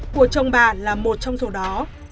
của chồng bà là một trong số đó